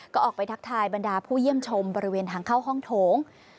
ก็ออกไปทักทายบรรดาผู้เยี่ยมชมบริเวณทางเข้าห้องโถง